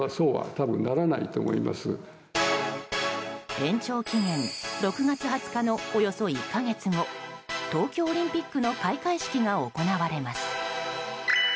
延長期限６月２０日のおよそ１か月後東京オリンピックの開会式が行われます。